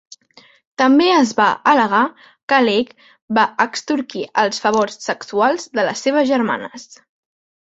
També es va al·legar que Lake va extorquir els favors sexuals de les seves germanes.